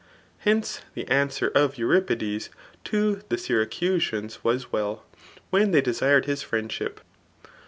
Henoe^ the answer of Euripidee to the Syracusans was well, [when they dsshed hb fnendship.